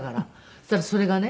そしたらそれがね